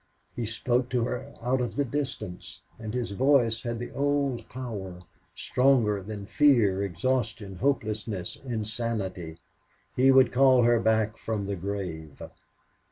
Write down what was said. He spoke to her out of the distance and his voice had the old power, stronger than fear, exhaustion, hopelessness, insanity. He could call her back from the grave.